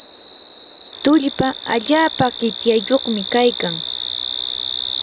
tullpa allapa qityayuqmi kaykan.